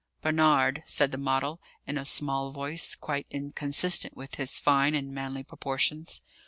"Barnard," said the model, in a small voice quite inconsistent with his fine and manly proportions.